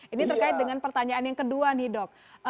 ini terkait dengan pertanyaan yang kedua nih dok